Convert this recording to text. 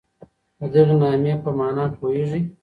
د دغي نامې په مانا پوهېږئ؟